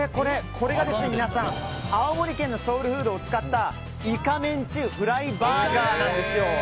これが青森県のソウルフードを使ったイカメンチフライバーガーです。